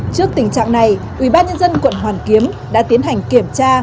trước tình trạng này ubnd quận hoàn kiếm đã tiến hành kiểm tra